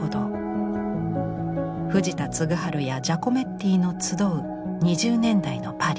藤田嗣治やジャコメッティの集う２０年代のパリ。